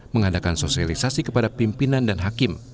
mengadakan sosialisasi kepada pimpinan dan hakim